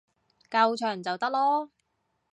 夠長就得囉